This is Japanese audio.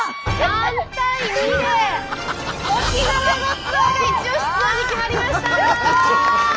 ３対２で沖縄のツアーがイチオシツアーに決まりました！